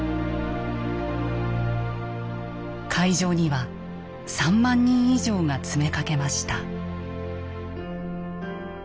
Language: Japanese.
会場には３万人以上が詰めかけました。